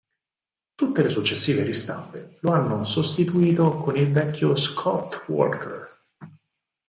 Tutte le successive ristampe lo hanno sostituito con il vecchio "Scott Walker".